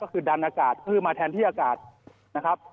ก็คือดันอากาศขึ้นมาแทนที่อากาศนะครับ